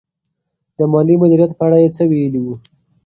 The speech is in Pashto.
د مالي مدیریت په اړه یې څه ویلي وو؟